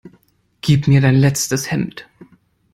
Gib mir dein letztes Hemd!